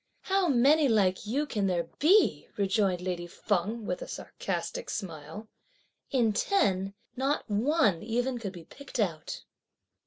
"How many like you can there be!" rejoined lady Feng with a sarcastic smile; "in ten, not one even could be picked out!"